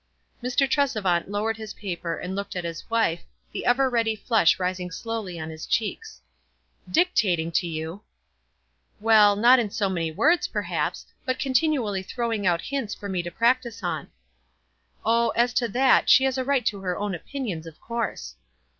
Mr. Tresevant lowered his paper and looked at his wife, the ever ready flush rising slowly on his cheeks. " Dictating to you !" "Well, not in so many words, perhaps; but continually throwing out hints for me to prac tice on." "Oh, as to that, she has a right to her own opinions, of course."